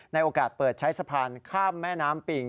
โอกาสเปิดใช้สะพานข้ามแม่น้ำปิ่ง